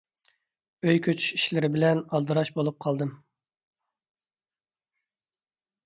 ئۆي كۆچۈش ئىشلىرى بىلەن ئالدىراش بولۇپ قالدىم.